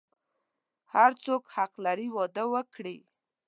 هر څوک حق لری واده وکړی